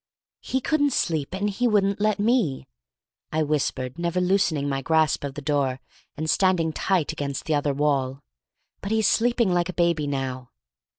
"He couldn't sleep, and he wouldn't let me," I whispered, never loosening my grasp of the door, and standing tight against the other wall. "But he's sleeping like a baby now."